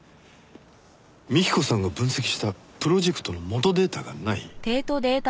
幹子さんが分析したプロジェクトの元データがない？